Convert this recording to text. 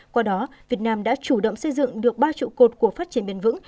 qua đó việt nam đã chủ động xây dựng được ba trụ cột của phát triển bền vững